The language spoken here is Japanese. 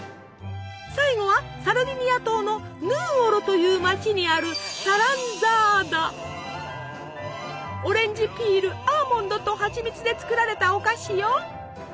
最後はサルディニア島のヌーオロという町にあるオレンジピールアーモンドとハチミツで作られたお菓子よ！